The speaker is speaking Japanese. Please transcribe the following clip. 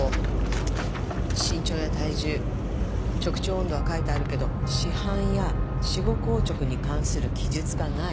身長や体重直腸温度は書いてあるけど死斑や死後硬直に関する記述がない。